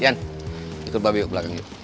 iyan ikut babe yuk belakang yuk